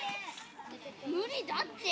無理だって！